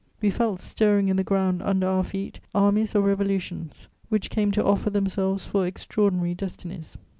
We felt stirring in the ground under our feet armies or revolutions which came to offer themselves for extraordinary destinies.